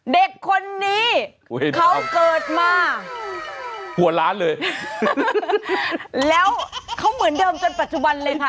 เด็กคนนี้เขาเกิดมาหัวล้านเลยแล้วเขาเหมือนเดิมจนปัจจุบันเลยค่ะ